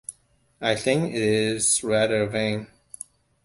I think it is rather vain.